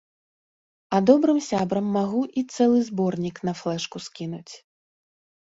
А добрым сябрам магу і цэлы зборнік на флэшку скінуць.